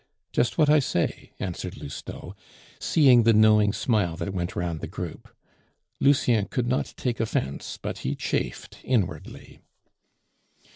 "Just what I say," answered Lousteau, seeing the knowing smile that went round the group. Lucien could not take offence but he chafed inwardly.